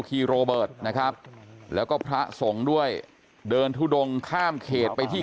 คีโรเบิร์ตนะครับแล้วก็พระสงฆ์ด้วยเดินทุดงข้ามเขตไปที่